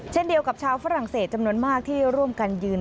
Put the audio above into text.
เช่นเดียวกับชาวฝรั่งเศสจำนวนมากที่ร่วมกันยืน